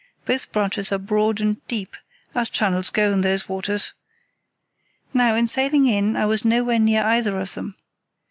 Both branches are broad and deep, as channels go in those waters. Now, in sailing in I was nowhere near either of them.